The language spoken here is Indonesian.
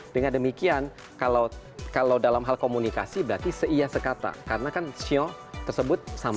dengan demikian kalau dalam hal komunikasi berarti se iya sekata karena kan sio tersebut sama